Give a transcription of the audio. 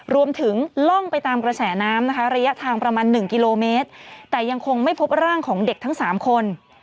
ล่องไปตามกระแสน้ำนะคะระยะทางประมาณ๑กิโลเมตรแต่ยังคงไม่พบร่างของเด็กทั้งสามคน